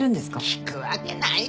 聞くわけないって。